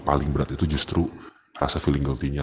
paling berat itu justru rasa feeling guilty nya